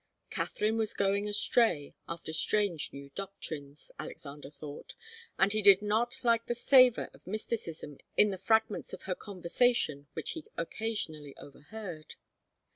Katharine was going astray after strange new doctrines, Alexander thought, and he did not like the savour of mysticism in the fragments of her conversation which he occasionally overheard.